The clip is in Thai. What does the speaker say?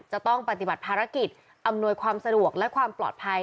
จะต้องปฏิบัติภารกิจอำนวยความสะดวกและความปลอดภัย